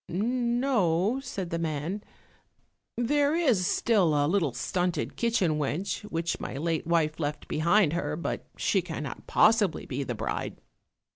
"No," said the man, "There is still a little stunted kitchen wench which my late wife left behind her, but she cannot possibly be the bride."